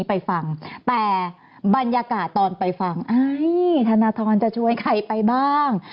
ไปฟังแต่บรรยากาศตอนไปฟังธนทรจะชวนใครไปบ้าง